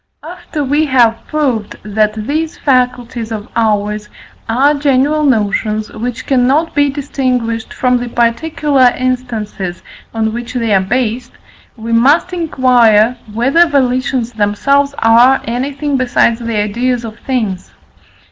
After we have proved, that these faculties of ours are general notions, which cannot be distinguished from the particular instances on which they are based, we must inquire whether volitions themselves are anything besides the ideas of things.